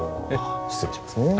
失礼しますね。